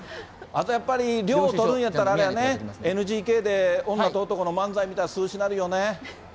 あとやっぱり涼をとるんやったら、あれやね、ＮＧＫで女と男の漫才見たら、涼しなるよね。